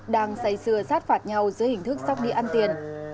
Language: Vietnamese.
đang xây xưa sát phạt nhau dưới hình thức sóc địa ăn tiền